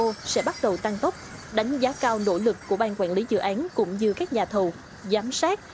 bộ sẽ bắt đầu tăng tốc đánh giá cao nỗ lực của bang quản lý dự án cũng như các nhà thầu giám sát